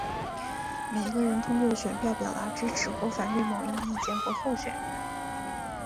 每一个人通过选票表达支持或反对某一意见或候选人。